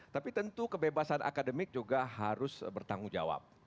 tapi tentu kebebasan akademik juga harus bertanggung jawab